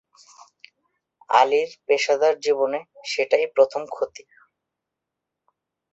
আলির পেশাদার জীবনে সেটাই প্রথম ক্ষতি।